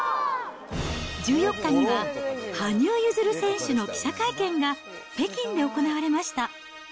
１４日には羽生結弦選手の記者会見が北京で行われました。